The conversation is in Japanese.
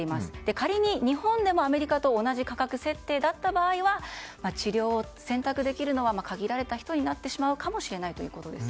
仮に日本でもアメリカと同じ価格設定だった場合には治療を選択できるのは限られた人になってしまうかもしれないということです。